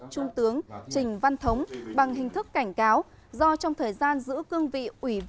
trung tướng trình văn thống bằng hình thức cảnh cáo do trong thời gian giữ cương vị